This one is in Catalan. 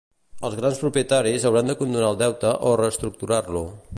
Els grans propietaris hauran de condonar el deute o reestructurar-lo.